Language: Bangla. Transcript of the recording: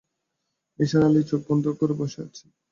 নিসার আলি চোখ বন্ধ করে বসে আছেন।